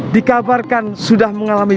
dikabarkan sudah mengalami